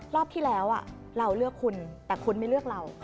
รอบที่แล้วเราเลือกคุณแต่คุณไม่เลือกเรา